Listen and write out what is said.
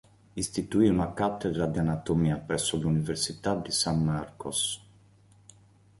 Istituì una cattedra di anatomia presso l'università di San Marcos.